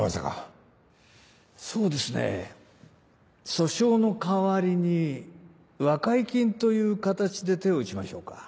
訴訟の代わりに和解金という形で手を打ちましょうか。